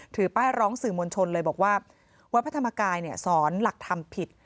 ถือป้ายร้องสื่อมวลชนเลยบอกว่าวัดพระธรรมกายสอนหลักธรรมผิด